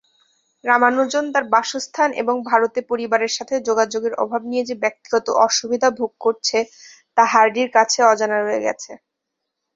রামানুজন তার বাসস্থান এবং ভারতে পরিবারের সাথে যোগাযোগের অভাব নিয়ে যে ব্যক্তিগত অসুবিধা ভোগ করছে, তা হার্ডির কাছে অজানা রয়ে গেছে।